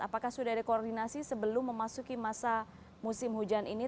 apakah sudah ada koordinasi sebelum memasuki masa musim hujan ini